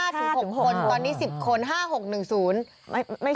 ตอนนี้๑๐คน